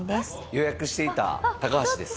予約していた高橋です。